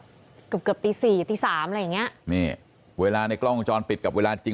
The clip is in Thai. เกือบเกือบตีสี่ตีสามอะไรอย่างเงี้ยนี่เวลาในกล้องวงจรปิดกับเวลาจริง